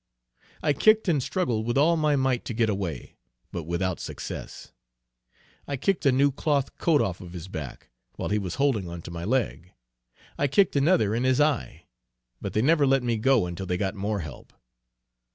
I kicked and struggled with all my might to get away, but without success. I kicked a new cloth coat off of his back, while he was holding on to my leg. I kicked another in his eye; but they never let me go until they got more help.